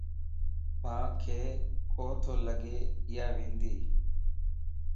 مانک ڪو تو لڳ اياوندي